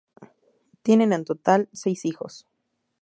Tiene en total seis hijos.